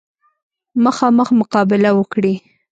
مخامخ مقابله وکړي.